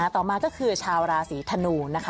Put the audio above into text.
ต่อมาก็คือชาวราศีธนูนะคะ